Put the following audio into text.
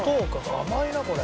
甘いなこれ。